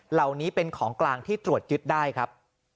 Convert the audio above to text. เหล่านี้เป็นของกลางที่ตรวจยึดได้ครับ